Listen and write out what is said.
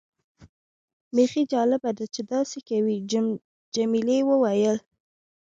بیخي جالبه ده چې داسې کوي. جميلې وويل:.